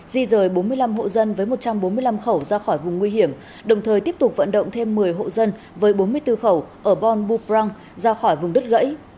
di rời bốn mươi năm hộ dân với một trăm bốn mươi năm khẩu ra khỏi vùng nguy hiểm đồng thời tiếp tục vận động thêm một mươi hộ dân với bốn mươi bốn khẩu ở bon bucrang ra khỏi vùng đất gãy